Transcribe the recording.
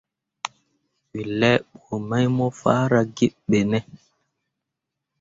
We laa bə mai mo faara gŋ be ne?